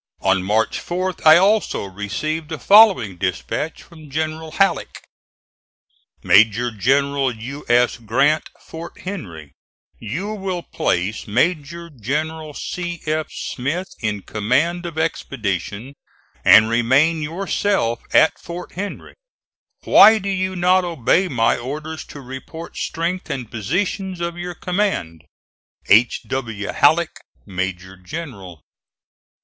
On March 4th I also received the following dispatch from General Halleck: MAJ. GEN. U. S. GRANT, Fort Henry: You will place Maj. Gen. C. F. Smith in command of expedition, and remain yourself at Fort Henry. Why do you not obey my orders to report strength and positions of your command? H. W. HALLECK, Major General.